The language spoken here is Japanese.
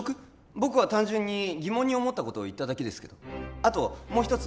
僕は単純に疑問に思ったことを言っただけですけどあともう一つ